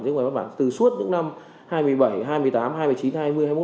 những văn bản từ suốt những năm